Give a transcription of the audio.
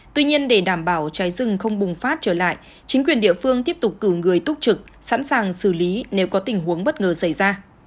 tuy nhiên để đảm bảo cháy rừng không bùng phát trở lại chính quyền địa phương tiếp tục cử người túc trực sẵn sàng xử lý nếu có tình huống bất ngờ xảy ra